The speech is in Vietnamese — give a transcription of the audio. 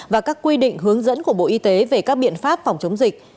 và các quy định hướng dẫn của bộ y tế về các biện pháp phòng chống dịch